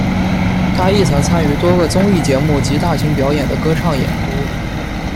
他亦曾参与多个综艺节目及大型表演的歌唱演出。